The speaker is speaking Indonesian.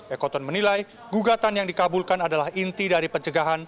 ekoton menilai gugatan yang dikabulkan adalah inti dari pencegahan